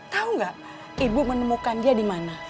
tahu nggak ibu menemukan dia di mana